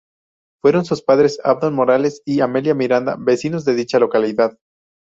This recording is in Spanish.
Fueron sus padres Abdón Morales y Amelia Miranda, vecinos de dicha localidad.